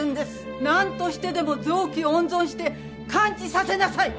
なんとしてでも臓器を温存して完治させなさい！